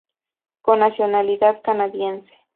Con nacionalidad canadiense.